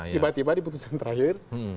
tiba tiba di putusan terakhir